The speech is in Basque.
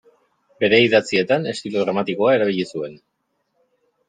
Bere idatzietan estilo dramatikoa erabili zuen.